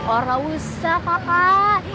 orah usah kakak